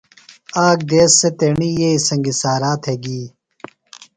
آک دیس سےۡ تیݨیۡیئیئۡی سنگیۡ سارا تھےۡ گی۔